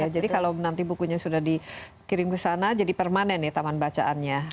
jadi kalau nanti bukunya sudah dikirim ke sana jadi permanen ya taman bacaannya